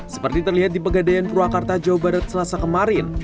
seperti terlihat di pegadaian purwakarta jawa barat selasa kemarin